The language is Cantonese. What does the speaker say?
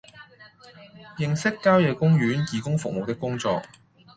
認識郊野公園義工服務的工作